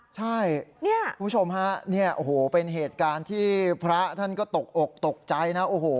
ใช่คุณผู้ชมเป็นเหตุการณ์ที่พระท่านก็ตกออกตกใจนะ